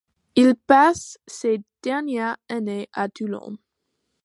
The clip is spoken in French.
Il passe ses dernières années à Toulon.